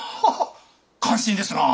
感心ですなあ。